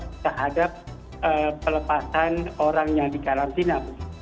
jadi itu adalah pelepasan orang yang dikarantina